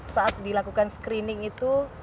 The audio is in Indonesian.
saat dilakukan screening itu